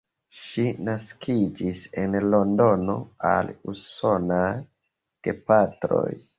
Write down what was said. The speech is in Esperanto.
Ŝi naskiĝis en Londono al usonaj gepatroj.